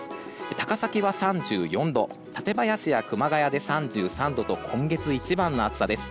高崎は３４度館林や熊谷で３３度と今月一番の暑さです。